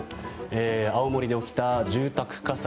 青森で起きた住宅火災。